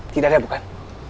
tidak ada bukan